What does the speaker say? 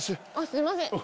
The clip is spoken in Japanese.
すいません